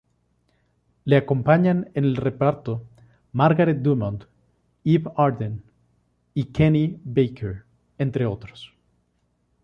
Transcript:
Les acompañan en el reparto Margaret Dumont, Eve Arden y Kenny Baker, entre otros.